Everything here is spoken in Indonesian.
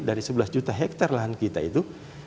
dari sebelas juta hektare lahan kita itu